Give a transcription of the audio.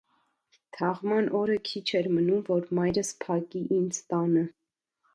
Թաղման օրը քիչ էր մնում, որ մայրս փակի ինձ տանը: